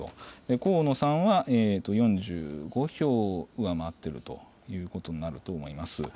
河野さんは４５票上回っているということになると思います。